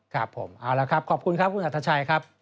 ครับผมเอาละครับขอบคุณครับคุณอัธชัยครับ